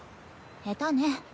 下手ね。